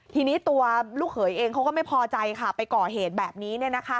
ทีนี้ตัวลูกเขยเองเขาก็ไม่พอใจค่ะไปก่อเหตุแบบนี้